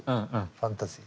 ファンタジー。